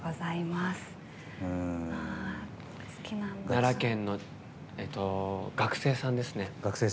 奈良県の学生さんですね。